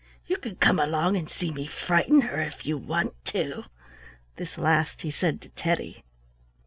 You can come along and see me frighten her, if you want to." This last he said to Teddy.